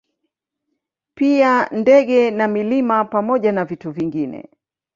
Pia ndege na milima pamoja na vitu vingine